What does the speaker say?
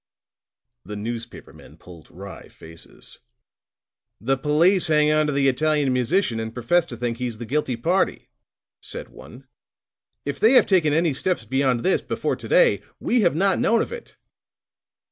The newspaper men pulled wry faces. "The police hang onto the Italian musician and profess to think he's the guilty party," said one. "If they have taken any steps beyond this, before to day, we have not known of it."